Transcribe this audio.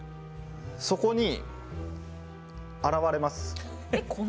そこに、現れます。